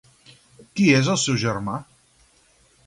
Qui és el seu germà?